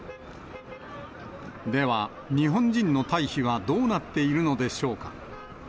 では、日本人の退避はどうなっているのでしょうか。